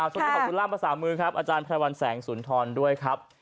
ขอบคุณล่ามภาษามือครับอาจารย์พระวันแสงสุนทรด้วยครับ